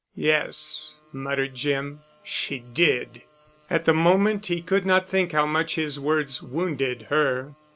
"Yes," muttered Jim. "She did." At the moment he could not think how much his words wounded her.